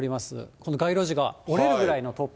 この街路樹が折れるぐらいの突風。